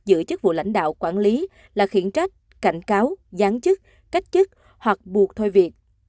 giữ chức vụ lãnh đạo quản lý là khiển trách cảnh cáo gián chức cách chức hoặc buộc thôi việc